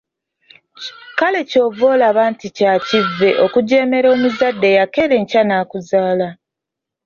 Kale ky'ova olaba nti kya kivve okujeemera omuzadde eyakeera enkya n'akuzaala.